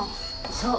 そう。